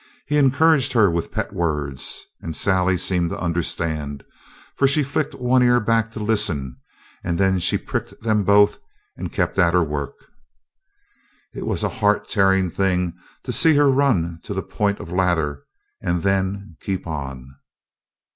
He encouraged her with pet words. And Sally seemed to understand, for she flicked one ear back to listen, and then she pricked them both and kept at her work. It was a heart tearing thing to see her run to the point of lather and then keep on.